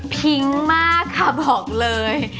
พิ้งมากค่ะบอกเลย